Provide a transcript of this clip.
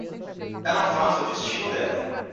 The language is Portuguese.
Ela faz o destino dela